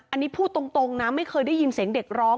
อันนี้พูดตรงนะไม่เคยได้ยินเสียงเด็กร้อง